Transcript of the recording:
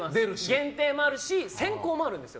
限定もあるし先行もあるんですよ